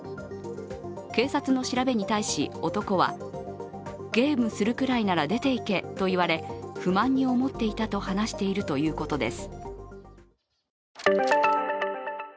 警察の調べに対し、男はゲームするくらいなら出ていけと言われ不満に思っていたと話しているということです